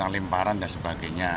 limparan dan sebagainya